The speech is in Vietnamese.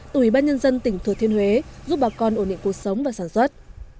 từ ủy ban nhân dân tỉnh thừa thiên huế giúp bà con ổn định cuộc sống và sản xuất